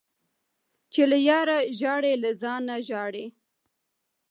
- چي له یاره ژاړي له ځانه ژاړي.